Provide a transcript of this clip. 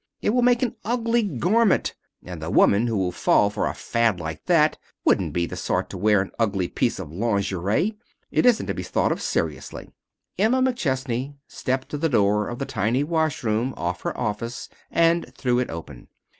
It will make an ugly garment, and the women who would fall for a fad like that wouldn't be of the sort to wear an ugly piece of lingerie. It isn't to be thought of seriously " Emma McChesney stepped to the door of the tiny wash room off her office and threw it open.